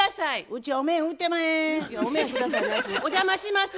お邪魔します。